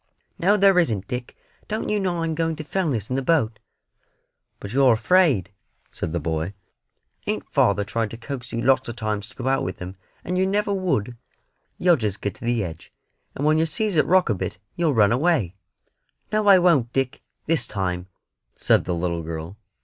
"No there isn't, Dick; don't you know I'm going to Fellness in the boat." "But you're afraid," said the boy; "ain't father tried to coax you lots o' times to go out with him, and yer never would? You'll just get to the edge, and when yer sees it rock a bit yer'll run away." "No, I won't, Dick, this time," said the little girl.